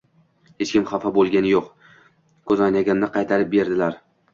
Hech kim xafa bo‘lgani yo‘q, ko‘zoynagimni qaytarib berdilar!